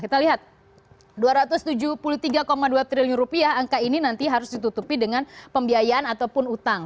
kita lihat rp dua ratus tujuh puluh tiga dua triliun rupiah angka ini nanti harus ditutupi dengan pembiayaan ataupun utang